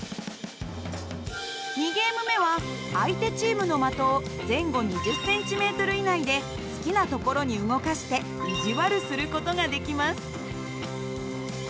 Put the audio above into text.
２ゲーム目は相手チームの的を前後２０ｃｍ以内で好きな所に動かして意地悪する事ができます。